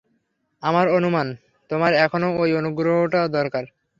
আমার অনুমান তোমার এখনও ওই অনুগ্রহটা দরকার।